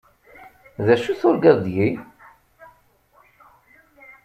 D acu turǧaḍ deg-i?